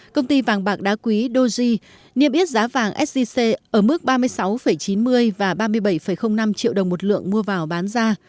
công ty vàng bạc đá quý doji niêm yết giá vàng sgc ở mức ba mươi sáu chín mươi và ba mươi bảy năm triệu đồng một lượng mua vào bán ra